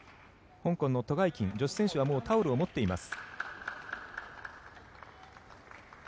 香港のト・ガイキン、女子選手はもうタオルを持っています。